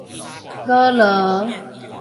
俄羅